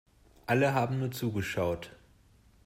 Alle haben nur zugeschaut.